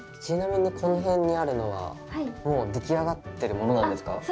ちなみにこの辺にあるのはもう出来上がってるものなんですか？